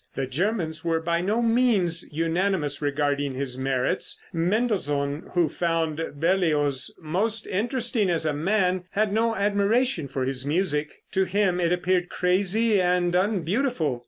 The Germans were by no means unanimous regarding his merits. Mendelssohn, who found Berlioz most interesting as a man, had no admiration for his music. To him it appeared crazy and unbeautiful.